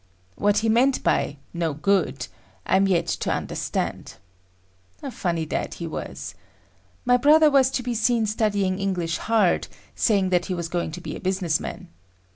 What he meant by "no good" I am yet to understand. A funny dad he was. My brother was to be seen studying English hard, saying that he was going to be a businessman.